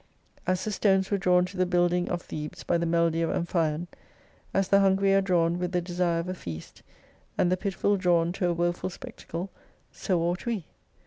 As the stones were drawn to the building of Thebes by the Melody of Amphion, as the hungry are drawn with the desire of a feast, and the pitiful drawn to a woeful spectacle, so ought we.